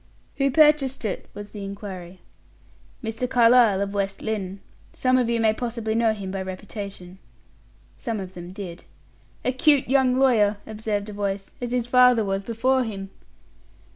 "Who purchased it?" was the inquiry. "Mr. Carlyle, of West Lynne. Some of you may possibly know him by reputation." Some of them did. "A cute young lawyer," observed a voice; "as his father was before him."